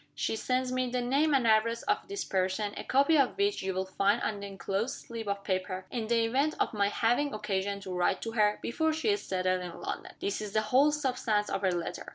She sends me the name and address of this person a copy of which you will find on the inclosed slip of paper in the event of my having occasion to write to her, before she is settled in London. This is the whole substance of her letter.